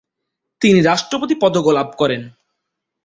তিনি রাষ্ট্রপতি পদক ও লাভ করেন।